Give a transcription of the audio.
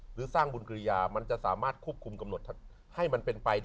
หรือสร้างบุญกริยามันจะสามารถควบคุมกำหนดให้มันเป็นไปได้